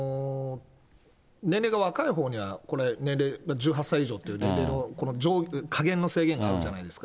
年齢が若いほうには、これ、年齢、１８歳以上という年齢、下限の制限があるじゃないですか。